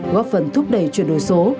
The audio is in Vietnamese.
góp phần thúc đẩy chuyển đổi số